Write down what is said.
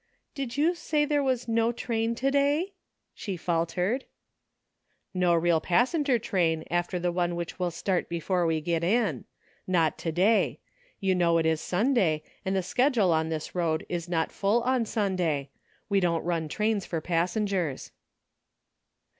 " Did you say there was no train to day?" she faltered. "No real passenger train after the one which will start before we get in; not to day; you know it is Sunday, and the schedule on this road is not full on Sunday ; we don't run trains for passengers."